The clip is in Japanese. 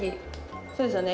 そうですよね